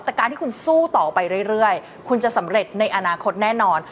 แต่การที่คุณสู้ต่อไปเรื่อยคุณจะสำเร็จในอนาคตแน่นอน